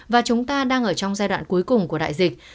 và chúng ta đang ở trong giai đoạn cuối cùng của đại dịch